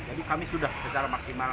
jadi kami sudah secara maksimal